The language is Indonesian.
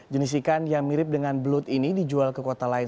jenis ikan yang mirip dengan belut ini dijual ke kota lain